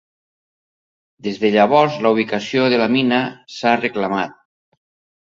Des de llavors la ubicació de la mina s'ha reclamat.